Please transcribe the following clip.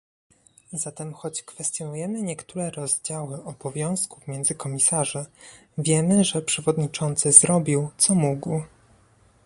Zatem choć kwestionujemy niektóre rozdziały obowiązków między komisarzy, wiemy, że przewodniczący zrobił, co mógł